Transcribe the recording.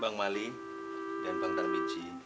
bang mali dan bang darmiji